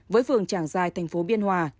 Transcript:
với phường tràng giai thành phố biên hòa